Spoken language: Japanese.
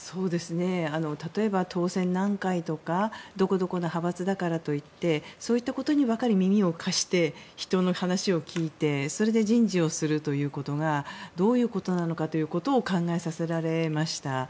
例えば、当選何回とかどこどこの派閥だからといってそういったことにばかり耳を貸して人の話を聞いてそれで人事をするということがどういうことなのかということを考えさせられました。